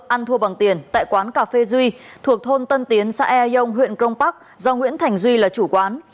ăn thua bằng tiền tại quán cà phê duy thuộc thôn tân tiến xã eông huyện crong park do nguyễn thành duy là chủ quán